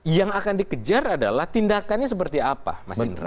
yang akan dikejar adalah tindakannya seperti apa mas indra